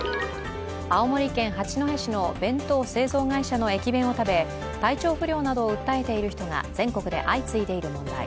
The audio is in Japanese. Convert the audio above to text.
青森県八戸市の弁当製造会社の駅弁を食べ体調不良などを訴えている人が全国で相次いでいる問題。